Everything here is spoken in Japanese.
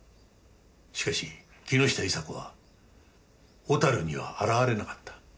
しかし木下伊沙子は小樽には現れなかった。